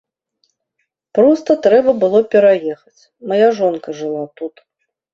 Проста трэба было пераехаць, мая жонка жыла тут.